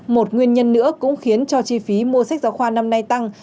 một nguyên nhân nữa cũng khiến cho chi phí mua sách giáo khoa năm nay tăng